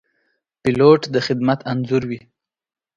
پیلوټ د خدمت انځور وي.